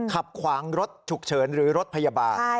ขับขวางรถฉุกเฉินหรือรถพยาบาล